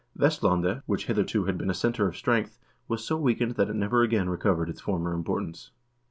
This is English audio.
Vestlandet, which hitherto had been a center of strength, was so weakened that it never again recovered its former importance.